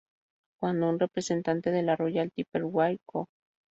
Cuando un representante de la "Royal Typewriter Co.